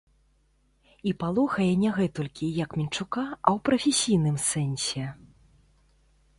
І палохае не гэтулькі, як мінчука, а ў прафесійным сэнсе.